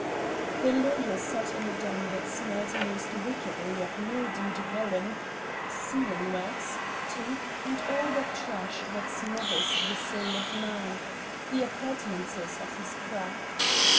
The lawyer sat in a den that smelt most wickedly of mildewed vellum, sealing wax, tape, and all that trash that smothers the soul of man the appurtenances of his craft.